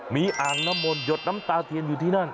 มีอ่างน้ำมนตหยดน้ำตาเทียนอยู่ที่นั่น